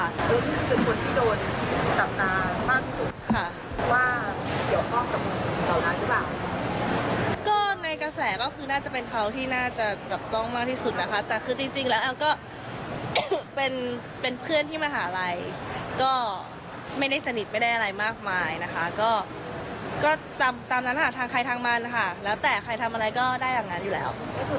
ก็คือคนที่โดนจับตามากที่สุดค่ะว่าเกี่ยวข้องกับต่อมาหรือเปล่าก็ในกระแสก็คือน่าจะเป็นเขาที่น่าจะจับกล้องมากที่สุดนะคะแต่คือจริงแล้วแอมก็เป็นเป็นเพื่อนที่มหาลัยก็ไม่ได้สนิทไม่ได้อะไรมากมายนะคะก็ก็ตามตามนั้นค่ะทางใครทางมันนะคะแล้วแต่ใครทำอะไรก็ได้อย่างนั้นอยู่แล้ว